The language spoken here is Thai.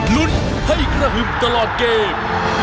ลุ้นให้กระหึ่มตลอดเกม